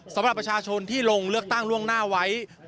สำหรับประชาชนที่ลงเลือกตั้งล่วงหน้าไว้